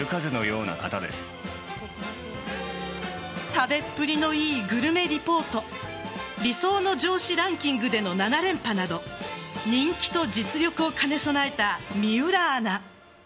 食べっぷりのいいグルメリポート理想の上司ランキングでの７連覇など人気と実力を兼ね備えた水卜アナ。